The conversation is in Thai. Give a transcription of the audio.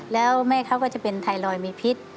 แล้วแม่เขาก็จะเป็นไทรอยด์มีพิษ